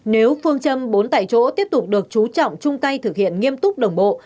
nếu phương châm bốn tại chỗ tiếp tục được chú trọng chung tay thực hiện nghiêm túc đồng bộ